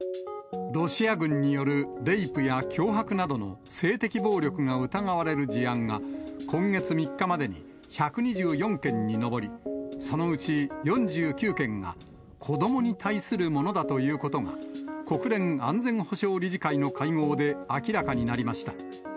ロシア軍によるレイプや脅迫などの性的暴力が疑われる事案が、今月３日までに１２４件に上り、そのうち４９件が子どもに対するものだということが、国連安全保障理事会の会合で明らかになりました。